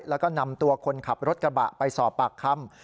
แล้วก็นำตัวคนขับรถกระบะไปสอบปากคำ